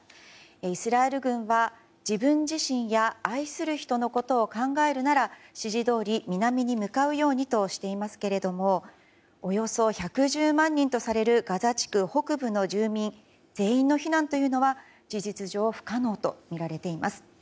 イスラエル軍は自分自身や愛する人のことを考えるなら、指示どおり南に向かうようにとしていますがおよそ１１０万人とされるガザ地区北部の住民全員の避難というのは事実上不可能とみられています。